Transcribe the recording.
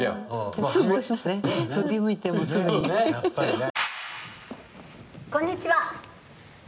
ここんにちは。